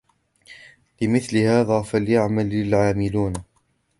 لِمِثْلِ هَذَا فَلْيَعْمَلِ الْعَامِلُونَ